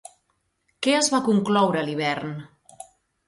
Què es va concloure a l'hivern?